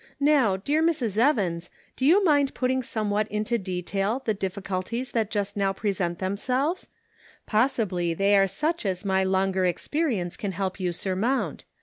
Now, dear Mrs. Evans, do you mind putting somewhat into detail the difficulties that just now present themselves? Possibly they are such as my longer experience can help you surmount.